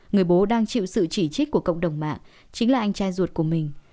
người bố đang chịu sự chỉ trích của cộng đồng mạng chính là anh trai ruột của mình